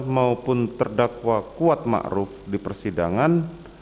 maupun terdakwa kuat ma'ruf di persidangan